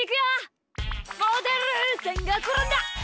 モデルさんがころんだ！